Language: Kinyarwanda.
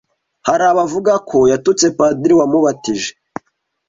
Hari abavuga ko yatutse Padiri wamubatije